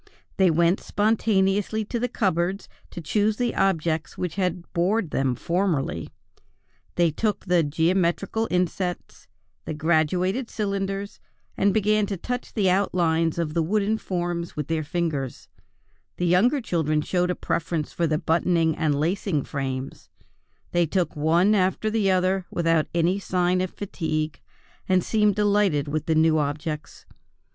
They went spontaneously to the cupboards to choose the objects which had bored them formerly. They took the geometrical insets, the graduated cylinders, and began to touch the outlines of the wooden forms with their fingers; the younger children showed a preference for the buttoning and lacing frames; they took one after the other without any signs of fatigue, and seemed delighted with the new objects.